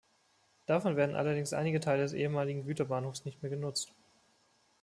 Davon werden allerdings einige Teile des ehemaligen Güterbahnhofs nicht mehr genutzt.